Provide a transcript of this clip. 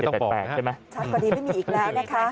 ใช่ชัดกว่านี้ไม่มีอีกแล้วนะคะ